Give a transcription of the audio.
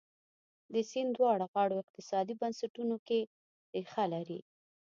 د سیند دواړو غاړو اقتصادي بنسټونو کې ریښه لري.